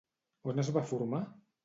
On es va formar?